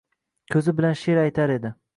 Ko’zi bilan she’r aytar edi.